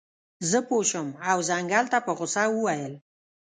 زه پوه شم او ځنګل ته په غوسه وویل.